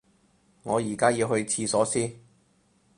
我而家要去廁所先